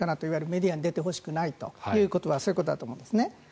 メディアに出てほしくないということはそういうことだと思うんですね。